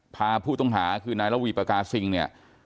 พาผู้ต้องหาคือนายละวีปากาซิงเนี่ย